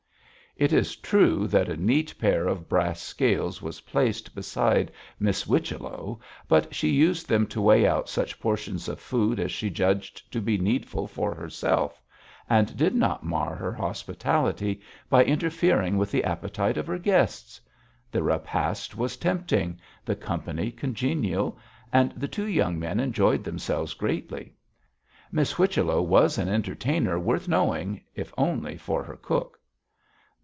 It is true that a neat pair of brass scales was placed beside Miss Whichello, but she used them to weigh out such portions of food as she judged to be needful for herself, and did not mar her hospitality by interfering with the appetites of her guests. The repast was tempting, the company congenial, and the two young men enjoyed themselves greatly. Miss Whichello was an entertainer worth knowing, if only for her cook.